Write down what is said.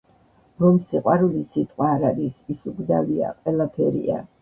რომ სიყვარული სიტყვა არ არის, ის უკვდავია, ყველაფერია